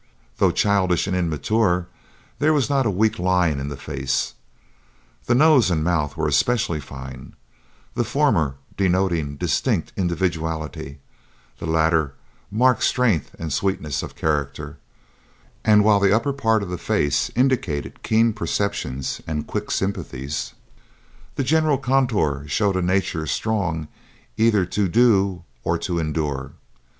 Though childish and immature, there was not a weak line in the face. The nose and mouth were especially fine, the former denoting distinct individuality, the latter marked strength and sweetness of character; and while the upper part of the face indicated keen perceptions and quick sympathies, the general contour showed a nature strong either to do or to endure.